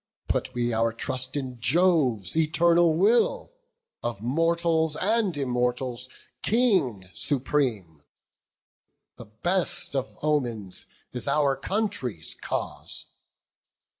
Put we our trust in Jove's eternal will, Of mortals and Immortals King supreme. The best of omens is our country's cause.